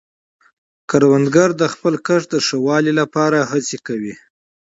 کروندګر د خپل کښت د ښه والي لپاره هڅې کوي